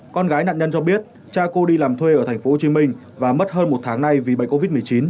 con gái nạn nhân cho biết cha cô đi làm thuê ở tp hcm và mất hơn một tháng nay vì bệnh covid một mươi chín